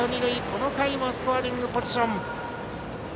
この回もスコアリングポジション。